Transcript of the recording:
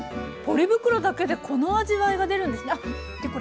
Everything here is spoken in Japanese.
ポリ袋だけでこの味わいが出るんですあっ